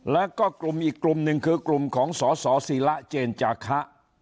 แล้วก็กลุ่มอีกกลุ่มหนึ่งคือกลุ่มของสสิระเจนจาคะ